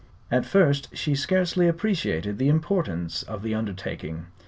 At first she scarcely appreciated the importance of the undertaking.